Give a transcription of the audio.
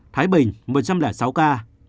thái bình một trăm linh sáu ca